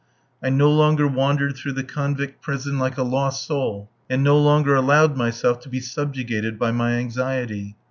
I no longer wandered through the convict prison like a lost soul, and no longer allowed myself to be subjugated by my anxiety.